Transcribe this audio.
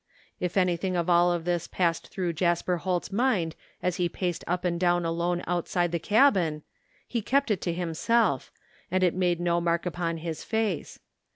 If anything of all this passed through Jasper Holt's mind as he paced up and down alone outside the cabin, he kept it to himself, and it made no mark upon his face.